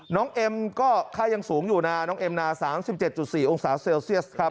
เอ็มก็ค่ายังสูงอยู่นะน้องเอ็มนา๓๗๔องศาเซลเซียสครับ